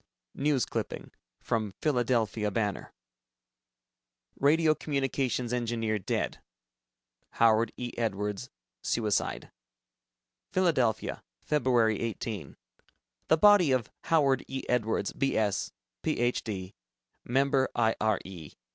(News Clipping: From Philadelphia Banner) RADIO COMMUNICATIONS ENGINEER DEAD Howard E. Edwards, Suicide Philadelphia, Feb. 18. The body of Howard E. Edwards, B.S., PhD., Member I. R. E.